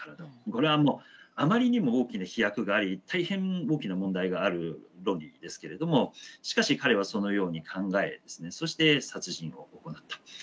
これはあまりにも大きな飛躍があり大変大きな問題がある論理ですけれどもしかし彼はそのように考えそして殺人を行った。